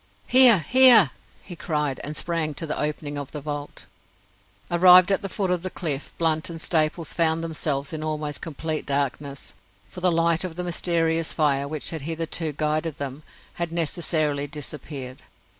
"Here! here!" he cried, and sprang to the opening of the vault. Arrived at the foot of the cliff, Blunt and Staples found themselves in almost complete darkness, for the light of the mysterious fire, which had hitherto guided them, had necessarily disappeared.